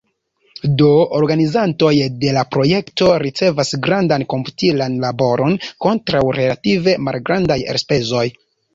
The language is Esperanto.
Do organizantoj de la projekto ricevas grandan komputilan laboron kontraŭ relative malgrandaj elspezoj.